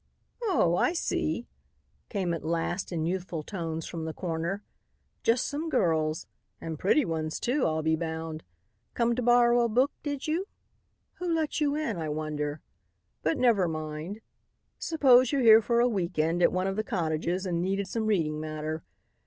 "Oh! I see," came at last in youthful tones from the corner; "just some girls. And pretty ones, too, I'll be bound. Came to borrow a book, did you? Who let you in, I wonder. But never mind. Suppose you're here for a week end at one of the cottages and needed some reading matter.